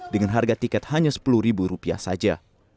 dengan harga tiket hanya sepuluh ribu rupiah saja